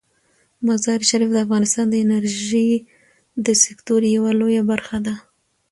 مزارشریف د افغانستان د انرژۍ د سکتور یوه لویه برخه ده.